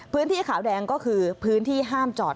พื้นที่ขาวแดงก็คือพื้นที่ห้ามจอด